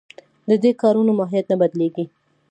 د دې کارونو ماهیت نه بدلېږي.